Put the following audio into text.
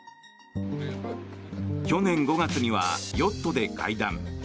去年５月にはヨットで会談。